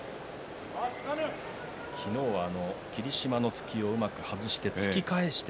昨日は霧島の突きをうまく外して突き返して。